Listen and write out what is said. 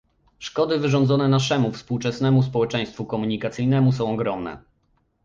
Szkody wyrządzone naszemu współczesnemu społeczeństwu komunikacyjnemu są ogromne